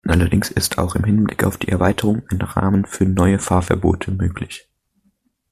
Allerdings ist auch im Hinblick auf die Erweiterung ein Rahmen für neue Fahrverbote möglich.